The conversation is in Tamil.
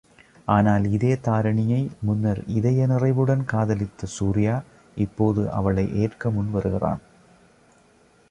ஆனால் இதே தாரிணியை முன்னர் இதய நிறைவுடன் காதலித்த சூர்யா, இப்போது அவளை எற்க முன்வருகிறான்.